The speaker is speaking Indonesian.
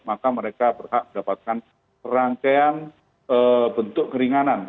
maka mereka berhak mendapatkan rangkaian bentuk keringanan